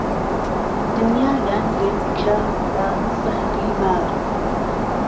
دنیایان لێ پکه به زههری مار